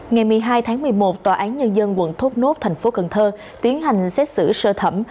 ngày một mươi hai tháng một mươi một tòa án nhân dân quận thốt nốt thành phố cần thơ tiến hành xét xử sơ thẩm